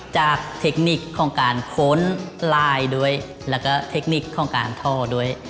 เทคนิคของการค้นลายด้วยแล้วก็เทคนิคของการท่อด้วย